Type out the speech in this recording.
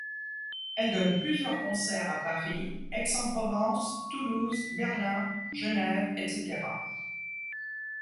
Elle donne plusieurs concerts à Paris, Aix-en-Provence, Toulouse, Berlin, Genève, etc.